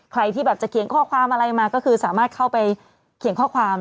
ใครที่แบบจะเขียนข้อความอะไรมาก็คือสามารถเข้าไปเขียนข้อความ